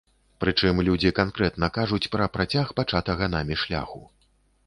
Прычым людзі канкрэтна кажуць пра працяг пачатага намі шляху.